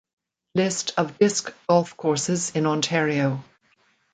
List of disc golf courses in Ontario